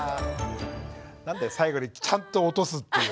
何だよ最後にちゃんと落とすっていう。